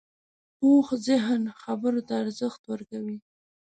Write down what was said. پوخ ذهن خبرو ته ارزښت ورکوي